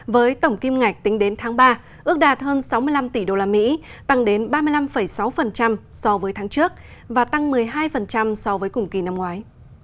với tổng kim ngạch tính đến tháng ba ước đạt hơn sáu mươi năm tỷ usd tăng đến ba mươi năm sáu so với tháng trước và tăng một mươi hai so với cùng kỳ năm ngoái